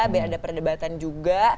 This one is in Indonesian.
biar ada perdebatan juga